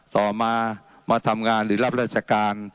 ต่อมามาทำงานหรือรับราชการ